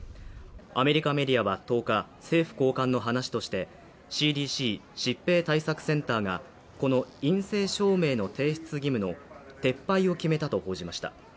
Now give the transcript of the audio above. アメリカメディアは１０日政府高官の話としてＣＤＣ＝疾病対策センターがこの陰性証明の提出義務の撤廃を決めたと報じました